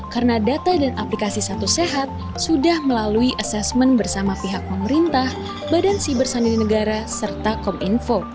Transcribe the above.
karena data dan aplikasi satu sehat sudah melalui assessment bersama pihak pemerintah badan siber sandini negara serta kominfo